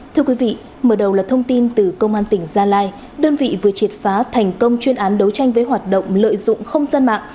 thưa quý vị mở đầu là thông tin từ công an tỉnh gia lai đơn vị vừa triệt phá thành công chuyên án đấu tranh với hoạt động lợi dụng không gian mạng